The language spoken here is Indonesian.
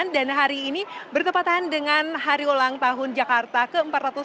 dan hari ini bertepatan dengan hari ulang tahun jakarta ke empat ratus sembilan puluh enam